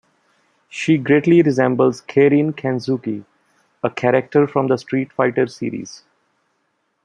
She greatly resembles Karin Kanzuki, a character from the "Street Fighter" series.